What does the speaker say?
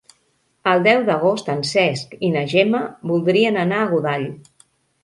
El deu d'agost en Cesc i na Gemma voldrien anar a Godall.